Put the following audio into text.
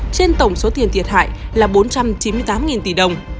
trên tổng số tiền thiệt hại là bốn trăm chín mươi tám tỷ đồng